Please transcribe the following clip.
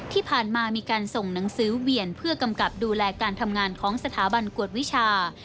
ที่ผ่านมามีการส่งหนังสือเวียนเพื่อกำกับดูแลการทำงานของสถาบันกวดวิชา